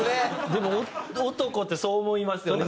でも男ってそう思いますよね。